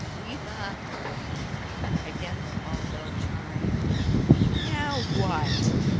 We've a—" Again the call bell chimed. "NOW WHAT?"